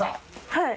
はい。